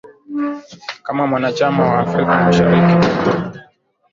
kama mwanachama wa afrika mashariki